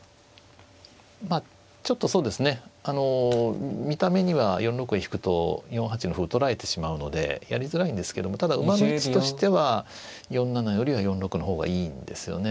ちょっとそうですねあの見た目には４六へ引くと４八の歩を取られてしまうのでやりづらいんですけどもただ馬の位置としては４七よりは４六の方がいいんですよね。